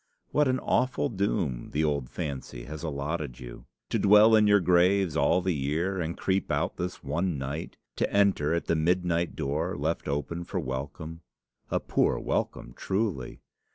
What an awful doom the old fancy has allotted you! To dwell in your graves all the year, and creep out, this one night, to enter at the midnight door, left open for welcome! A poor welcome truly!